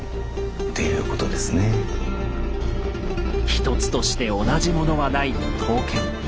一つとして同じものはない刀剣。